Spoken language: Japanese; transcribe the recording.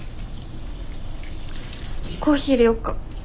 コーヒーいれようか？